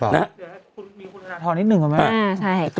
เดี๋ยวให้มีคุณคุณธนทรนิดหนึ่งก่อนไหม